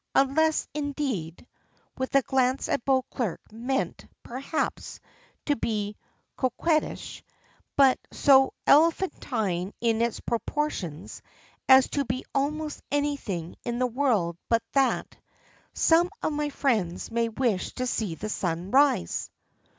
Unless, indeed," with a glance at Beauclerk, meant, perhaps, to be coquettish, but so elephantine in its proportions as to be almost anything in the world but that, "some of my friends may wish to see the sun rise."